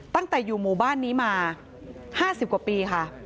ตั้งแต่อยู่หมู่บ้านนี้มา๕๐กว่าปีค่ะ